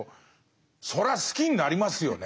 それは好きになりますよね。